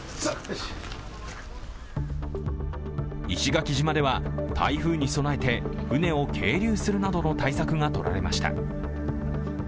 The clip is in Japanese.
石垣島では台風に備えて船を係留するなどの対策が取られました。